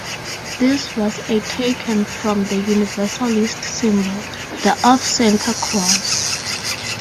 This was a taken from the Universalist symbol, the Off-Center Cross.